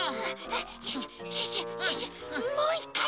シュッシュシュッシュもう１かい。